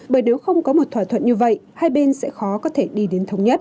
bởi nếu không có một thỏa thuận như vậy hai bên sẽ khó có thể đi đến thống nhất